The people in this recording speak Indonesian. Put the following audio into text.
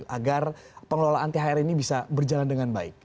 agar pengelolaan thr ini bisa berjalan dengan baik